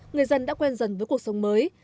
người dân đã quen dần với cuộc sống mới